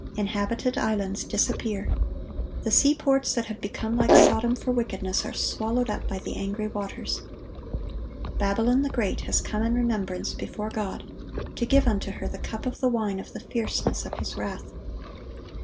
Inhabited islands disappear. The seaports that have become like Sodom for wickedness, are swallowed up by the angry waters. Babylon the Great has come in remembrance before God, "to give unto her the cup of the wine of the fierceness of His wrath."